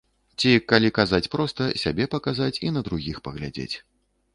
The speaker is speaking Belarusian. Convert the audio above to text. Ці, калі казаць проста, сябе паказаць і на другіх паглядзець.